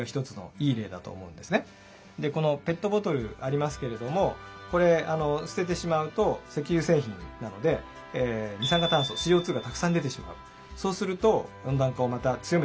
でこのペットボトルありますけれどもこれすててしまうと石油製品なので二酸化炭素ＣＯがたくさん出てしまう。